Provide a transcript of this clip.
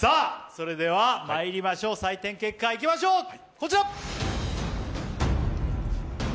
それではまいりましょう、採点結果いきましょう。